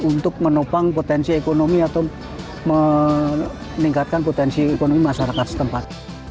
untuk menopang potensi ekonomi atau meningkatkan potensi ekonomi masyarakat setempat